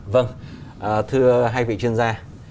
vâng thưa hai vị chuyên gia